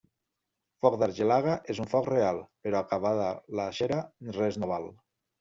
Foc d'argelaga és un foc real, però acabada la xera res no val.